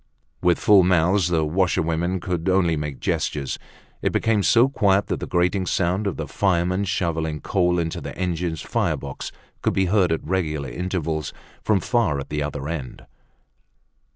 With full mouths, the washerwomen could only make gestures. It became so quiet that the grating sound of the fireman shoveling coal into the engine's firebox could be heard at regular intervals from far at the other end.